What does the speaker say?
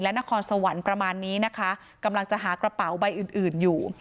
นครสวรรค์ประมาณนี้นะคะกำลังจะหากระเป๋าใบอื่นอื่นอยู่